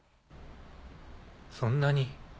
そんなに。